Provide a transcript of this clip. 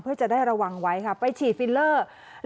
เพื่อจะได้ระวังไว้ค่ะไปฉีดฟิลเลอร์